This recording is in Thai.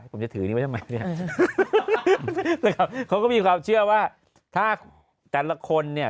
ผมจะถือนี้ไว้ทำไมเนี่ยเขาก็มีความเชื่อว่าถ้าแต่ละคนเนี่ย